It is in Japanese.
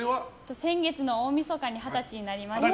先月の大みそかに二十歳になりました。